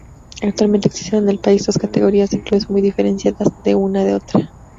Actualmente existen en el país dos categoría de clubes muy diferenciadas una de otra.